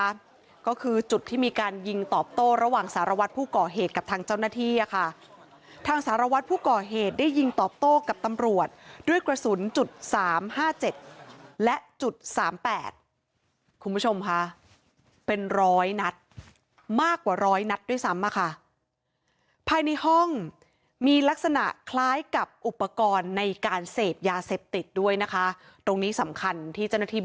นะคะก็คือจุดที่มีการยิงตอบโต้ระหว่างสารวัตรผู้ก่อเหตุกับทางเจ้าหน้าที่อ่ะค่ะทางสารวัตรผู้ก่อเหตุได้ยิงตอบโต้กับตำรวจด้วยกระสุนจุดสามห้าเจ็ดและจุดสามแปดคุณผู้ชมค่ะเป็นร้อยนัดมากกว่าร้อยนัดด้วยซ้ำอะค่ะภายในห้องมีลักษณะคล้ายกับอุปกรณ์ในการเสพยาเสพติดด้วยนะคะตรงนี้สำคัญที่เจ้าหน้าที่บ